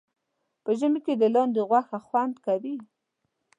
په ژمي کې د لاندي غوښه خوند کوي